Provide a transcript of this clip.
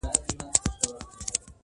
هر میدان یې په مړانه وي گټلی؛